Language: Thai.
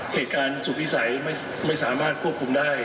เหตุการณ์สุดวิสัยไม่สามารถควบคุมได้